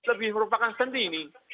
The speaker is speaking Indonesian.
ini lebih merupakan sendiri ini